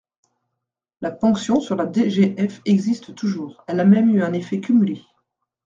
La ponction sur la DGF existe toujours, elle a même eu un effet cumulé.